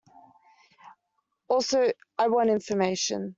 Also, I want information.